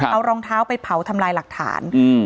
เอารองเท้าไปเผาทำลายหลักฐาน